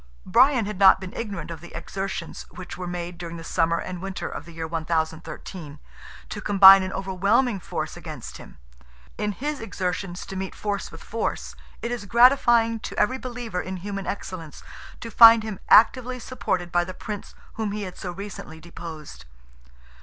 Brian had not been ignorant of the exertions which were made during the summer and winter of the year 1013, to combine an overwhelming force against him. In his exertions to meet force with force, it is gratifying to every believer in human excellence to find him actively supported by the Prince whom he had so recently deposed.